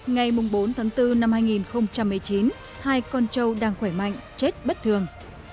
ngày bốn tháng bốn năm hai nghìn một mươi chín hai con trâu đang khỏe mạnh chết bất thường